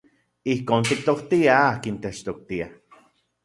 Ijkon tiktoktiaj akin techtoktia.